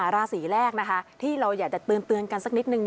ราศีแรกนะคะที่เราอยากจะเตือนกันสักนิดนึง